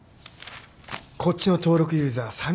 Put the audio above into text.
こっちの登録ユーザー３０万